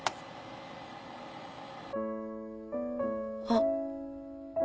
あっ。